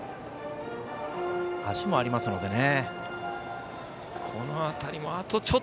足もありますのでね。